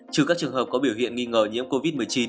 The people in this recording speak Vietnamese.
trừ các trường hợp có biểu hiện nghi ngờ nhiễm covid một mươi chín